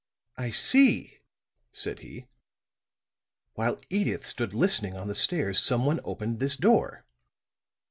"I see," said he. "While Edyth stood listening on the stairs someone opened this door!"